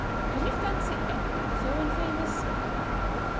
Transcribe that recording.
Can you fancy anything so infamous?